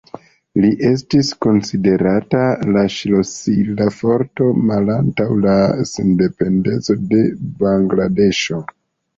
Li estis konsiderata la ŝlosila forto malantaŭ la sendependeco de Bangladeŝo.